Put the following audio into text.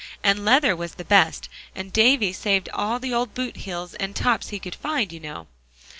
And leather was the best; and Davie saved all the old boot heels and tops he could find, you know."